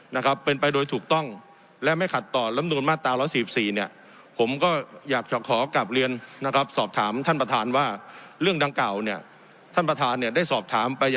นะครับเป็นไปโดยถูกต้องและไม่ขัดต่อลำนวนมาตรตาร้อยสี่สี่เนี่ย